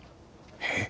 えっ！？